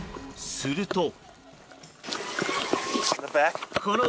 すると。